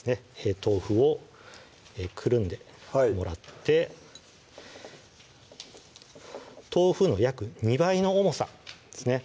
豆腐をくるんでもらって豆腐の約２倍の重さですね